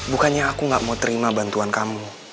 bukannya aku gak mau terima bantuan kamu